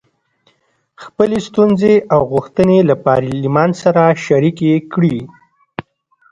خپلې ستونزې او غوښتنې له پارلمان سره شریکې کړي.